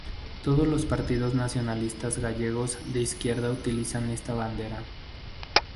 Todos los partidos nacionalistas gallegos de izquierda utilizan esta bandera.